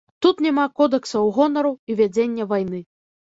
Тут няма кодэксаў гонару і вядзення вайны.